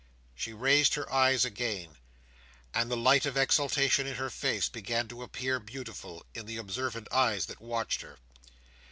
She raised her eyes again; and the light of exultation in her face began to appear beautiful, in the observant eyes that watched her.